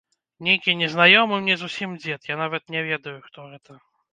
Нейкі незнаёмы мне зусім дзед, я нават не ведаю, хто гэта.